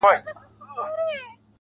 سترگو کي باڼه له ياده وباسم,